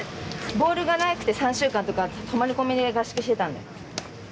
ボールがなくて３週間とか、泊まり込みで合宿してたんで。